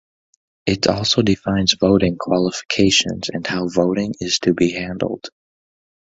It also defines voting qualifications and how voting is to be handled.